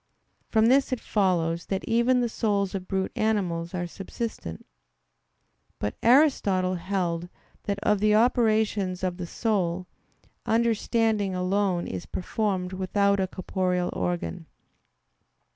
From this it follows that even the souls of brute animals are subsistent. But Aristotle held that of the operations of the soul, understanding alone is performed without a corporeal organ.